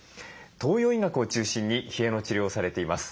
東洋医学を中心に冷えの治療をされています